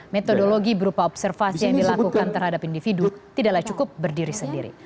metodologi berupa observasi yang dilakukan terhadap individu tidaklah cukup berdiri sendiri